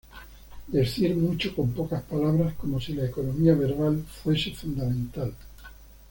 Decir mucho con pocas palabras como si la economía verbal fuese fundamental.